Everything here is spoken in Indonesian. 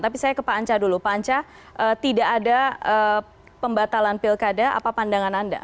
tapi saya ke pak anca dulu pak anca tidak ada pembatalan pilkada apa pandangan anda